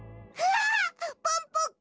ポンポコ。